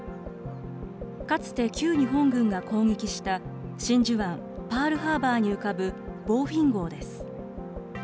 かつて旧日本軍が攻撃した真珠湾・パールハーバーに浮かぶボーフィン号です。